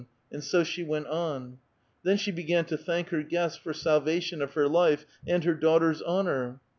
and so she went on. Then she began to thank her guests for salvation of her life and her daughter's honor.